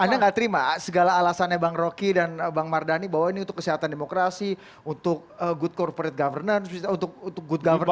anda nggak terima segala alasannya bang rocky dan bang mardhani bahwa ini untuk kesehatan demokrasi untuk good corporate governance untuk good governance